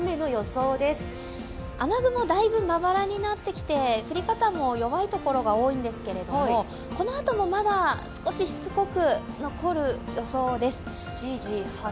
雨雲だいぶまばらになってきて、降り方も弱い所が多いんですがこのあともまだ少ししつこく残る予想です。